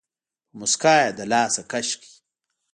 په موسکا يې له لاسه کش کړ.